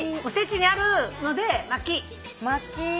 おせちにあるので「まき」まき。